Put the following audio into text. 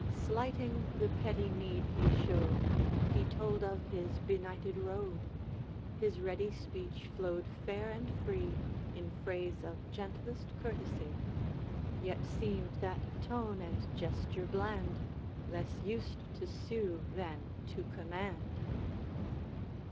Slighting the petty need he showed, He told of his benighted road; His ready speech flowed fair and free, In phrase of gentlest courtesy, Yet seemed that tone and gesture bland Less used to sue than to command.